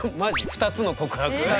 「２つの告白」？